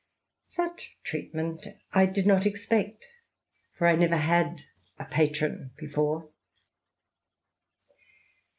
Such treatment I did not expect, for I never had a patron before.